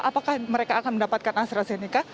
apakah mereka akan mendapatkan astrazeneca